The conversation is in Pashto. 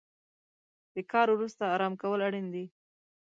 د کار وروسته ارام کول اړین دي.